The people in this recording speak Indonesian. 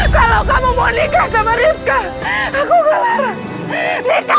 kalau kamu mau nikah sama rizka aku gak larang nikah